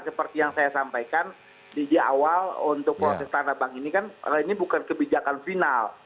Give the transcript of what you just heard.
seperti yang saya sampaikan di awal untuk proses tanah bank ini kan ini bukan kebijakan final